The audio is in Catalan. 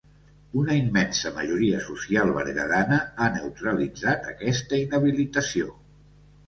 Una immensa majoria social berguedana ha neutralitzat aquesta inhabilitació.